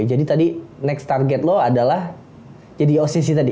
jadi tadi next target lo adalah jadi occ tadi